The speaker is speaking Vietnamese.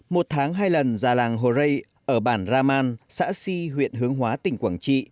một tháng hai lần già làng hồ rây ở bản raman xã si huyện hướng hóa tỉnh quảng trị